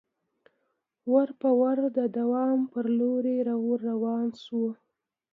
ورو په ورو د دام پر لوري ور روان سو